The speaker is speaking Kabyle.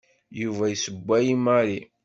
Yuba yessewway i Mary.